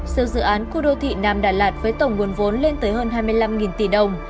sự dự án khu đô thị nam đà lạt với tổng nguồn vốn lên tới hơn hai mươi năm tỷ đồng